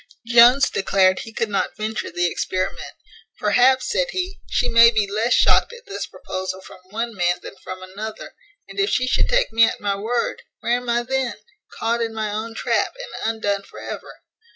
Jones declared he could not venture the experiment. "Perhaps," said he, "she may be less shocked at this proposal from one man than from another. And if she should take me at my word, where am I then? caught, in my own trap, and undone for ever."